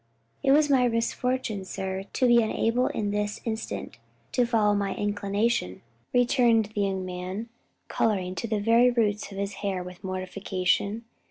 "It was my misfortune, sir, to be unable in this instance, to follow my inclination," returned the young man, coloring to the very roots of his hair with mortification.